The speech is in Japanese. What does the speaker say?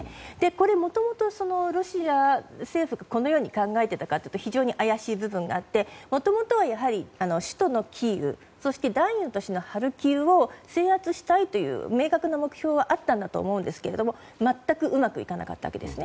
これは、もともとロシア政府がこのように考えていたかというと怪しい部分があってもともとは首都のキーウ第２の都市のハルキウを制圧したいという、明確な目標があったんだと思いますが、全くうまくいかなかったわけです。